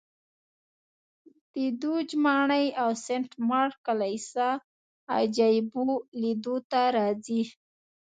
د دوج ماڼۍ او سنټ مارک کلیسا عجایبو لیدو ته راځي